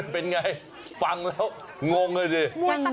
เป็นไงฟังแล้วงงเลย